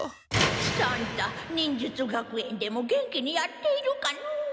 喜三太忍術学園でも元気にやっているかのう。